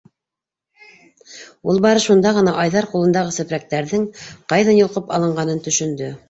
Ул бары шунда ғына Айҙар ҡулындағы сепрәктәрҙең ҡайҙан йолҡоп алынғанын төшөндө.